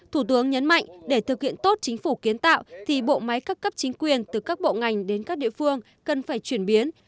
thủ tướng nhấn mạnh để thực hiện tốt chính phủ kiến tạo thì bộ máy các cấp chính quyền từ các bộ ngành đến các địa phương cần phải chuyển biến